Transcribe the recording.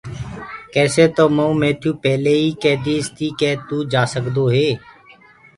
ڪيسي تو مئو ميٿيٚو پيلي ئيٚ ڪي ديٚسي ڪي تو جآسگدوئي